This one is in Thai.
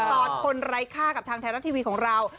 ตอนคนไร้ค่ากับทางไทยรัฐทีวีของเรา